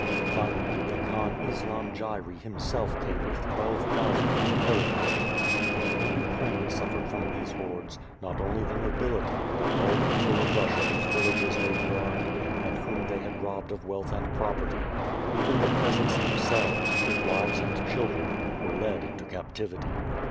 Finally, the Khan Islam Girey himself came with twelve thousand from Perckop. The whole Ukraine suffered from these hordes; not only the nobility, but all the people of Russia whose villages they burned, and whom they had robbed of wealth and property. Even the peasants, themselves, with wives and children, were led into captivity.